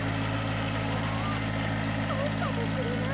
コロロそうかもしれないですね。